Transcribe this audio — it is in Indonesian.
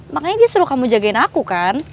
makanya dia suruh kamu jagain aku kan